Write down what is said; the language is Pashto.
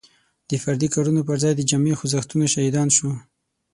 د فردي کارونو پر ځای د جمعي خوځښتونو شاهدان شو.